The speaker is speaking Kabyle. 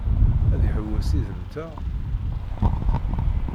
Ad iḥewwes yid-nteɣ?